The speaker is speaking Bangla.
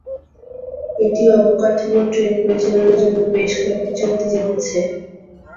এটি অবকাঠামো ট্রেন পরিচালনার জন্য বেশ কয়েকটি চুক্তি জিতেছে।